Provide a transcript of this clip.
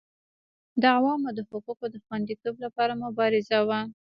د عوامو د حقوقو د خوندیتوب لپاره مبارزه وه.